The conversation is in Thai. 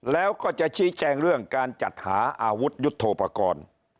แล้วก็จะชี้แจงเรื่องการจัดหาอาวุธยุทธโปรกรณ์